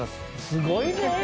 すごいね！